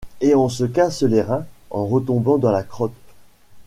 Et l’on se casse les reins, en retombant dans la crotte. ..